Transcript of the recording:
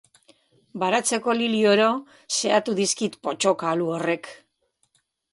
Baratzeko lili oro xehatu dizkit pottoka alu horrek.